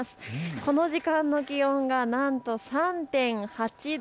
この時間の気温がなんと３．８度。